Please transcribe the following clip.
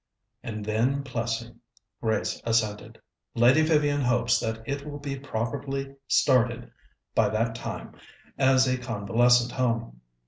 "And then Plessing," Grace assented. "Lady Vivian hopes that it will be properly started by that time as a convalescent home."